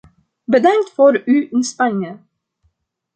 Bedankt voor uw inspanningen!